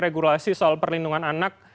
regulasi soal perlindungan anak